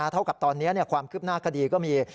เท่ากับตอนนี้ความคืบหน้าคดีก็มี